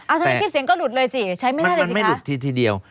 เอาทีนี้คลิปเสียงก็หลุดเลยสิใช้ไม่ได้เลยค่ะมันไม่หลุดทีเดียว